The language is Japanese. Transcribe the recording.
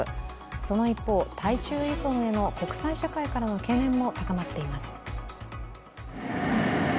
その一方、対中依存への国際社会からの懸念も高まっています。